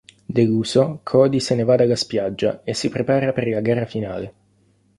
Deluso, Cody se ne va dalla spiaggia e si prepara per la gara finale.